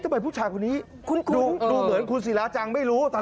ทำไมผู้ชายคนนี้คุณคุณดูเหมือนคุณสิราจังไม่รู้ตอน